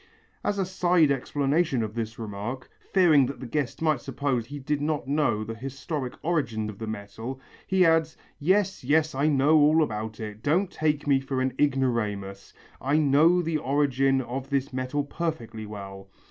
As a side explanation of this remark, fearing that the guest might suppose he did not know the historical origin of the metal, he adds: "Yes, yes, I know all about it. Don't take me for an ignoramus. I know the origin of this metal perfectly well.